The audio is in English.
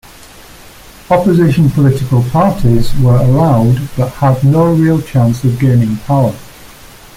Opposition political parties were allowed, but had no real chance of gaining power.